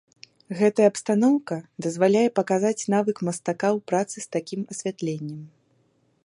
Гэтая абстаноўка дазваляе паказаць навык мастака ў працы з такім асвятленнем.